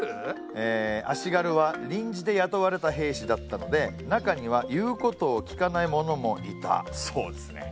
え足軽は臨時で雇われた兵士だったので中には言うことを聞かない者もいたそうですね。